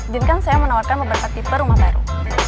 izinkan saya menawarkan beberapa tipe rumah baru